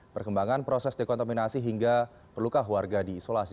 perkembangan proses dekontaminasi hingga perlukaan warga di isolasi